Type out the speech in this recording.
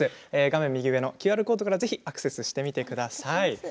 画面右上のＱＲコードからアクセスしてみてください。